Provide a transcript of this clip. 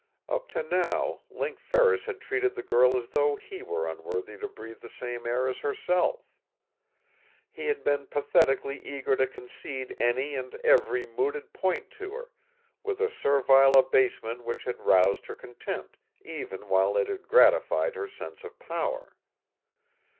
Up to now, Link Ferris had treated the girl as though he were unworthy to breathe the same air as herself. He had been pathetically eager to concede any and every mooted point to her, with a servile abasement which had roused her contempt, even while it had gratified her sense of power.